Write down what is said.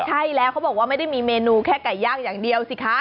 ใช่แล้วเขาบอกว่าไม่ได้มีเมนูแค่ไก่ย่างอย่างเดียวสิคะ